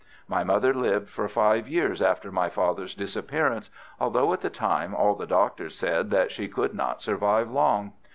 My mother lived for five years after my father's disappearance, although at the time all the doctors said that she could not survive long.